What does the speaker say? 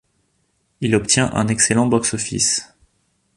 Il obtient un excellent box-office.